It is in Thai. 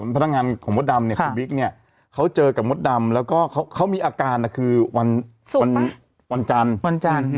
พนักงานของมดดำคือบิ๊กเนี่ยเขาเจอกับมดดำแล้วก็เขามีอาการคือวันจันทร์